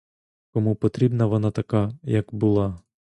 Кому потрібна вона така, як була?